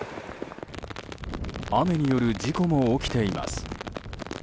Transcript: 雨による事故も起きています。